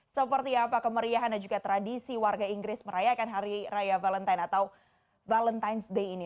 seperti apa kemeriahan dan juga tradisi warga inggris merayakan hari raya valentine atau valentines ⁇ day ini